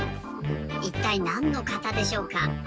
いったいなんの型でしょうか？